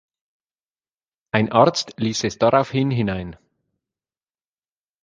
Ein Arzt ließ es daraufhin hinein.